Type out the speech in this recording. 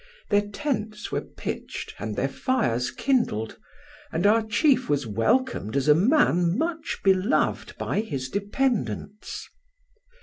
Their tents were pitched and their fires kindled, and our chief was welcomed as a man much beloved by his dependents.